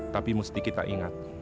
tapi mesti kita ingat